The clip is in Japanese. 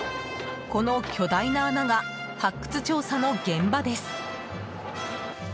この巨大な穴が発掘調査の現場です。